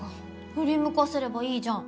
振り向かせればいいじゃん！